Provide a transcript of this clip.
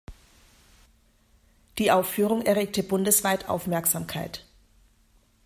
Die Aufführung erregte bundesweit Aufmerksamkeit.